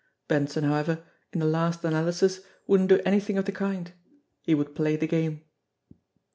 Benson, however, in the last analysis wouldn't do anything of the kind he would play the game.